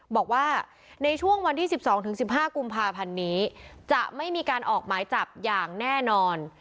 บอกว่าในช่วงวันที่๑๒๑๕กุมภาพันธ์นี้จะไม่มีการออกหมายจับอย่างแน่นอน